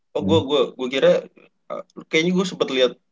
kayaknya gue sempet liat